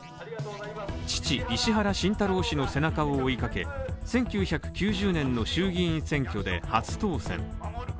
父・石原慎太郎氏の背中を追いかけ１９９０年の衆議院選挙で初当選。